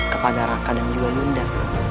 kepada raka dan juga yuda